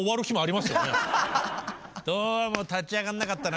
「どうも立ち上がんなかったな」